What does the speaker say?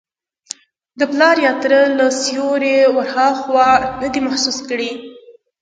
د پلار یا تره له سیوري وراخوا نه دی محسوس کړی.